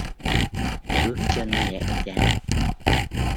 Bước chân nhẹ nhàng